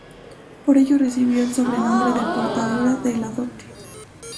Por ello recibió el sobrenombre de "Portadora de la dote".